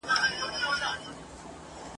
د یووالي د نارو پهلوانان یو !.